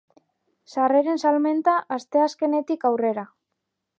Sarreren salmenta asteazkenetik aurrera.